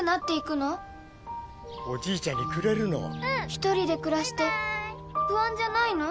一人で暮らして不安じゃないの？